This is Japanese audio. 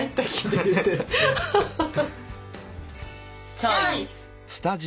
チョイス！